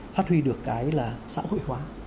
phát huy được cái là xã hội hóa